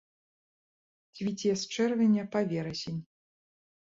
Цвіце з чэрвеня па верасень.